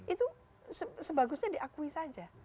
itu sebagusnya diakui saja